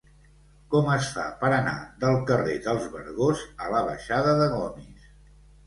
Com es fa per anar del carrer dels Vergós a la baixada de Gomis?